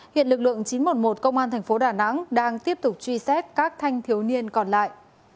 hiện lực lượng chín trăm một mươi một công an thành phố đà nẵng đang tiếp tục truy xét các thanh thiếu niên còn lại